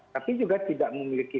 tapi juga tidak memiliki